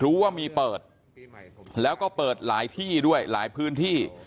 รู้ว่ามีเปิดแล้วก็เปิดหลายที่ด้วยหลายพื้นที่